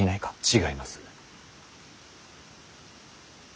違います。